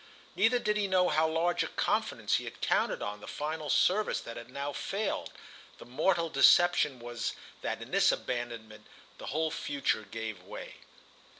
Neither did he know with how large a confidence he had counted on the final service that had now failed: the mortal deception was that in this abandonment the whole future gave way.